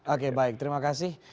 oke baik terima kasih